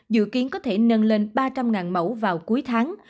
dự kiến có thể nâng lên ba trăm linh mẫu vào cuối tháng